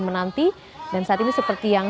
menanti dan saat ini seperti yang